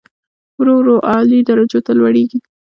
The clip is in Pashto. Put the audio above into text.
ورو ورو اعلی درجو ته لوړېږي.